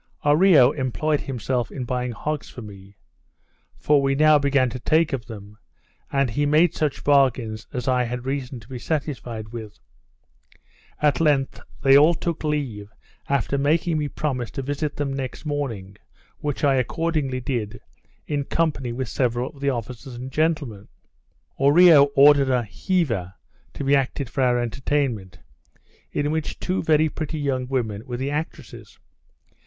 Oreo employed himself in buying hogs for me (for we now began to take of them), and he made such bargains as I had reason to be satisfied with. At length they all took leave, after making me promise to visit them next morning; which I accordingly did, in company with several of the officers and gentlemen. Oreo ordered an heava to be acted for our entertainment, in which two very pretty young women were the actresses.